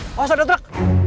awas ada truk